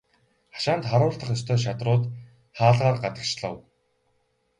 Хашаанд харуулдах ёстой шадрууд хаалгаар гадагшлав.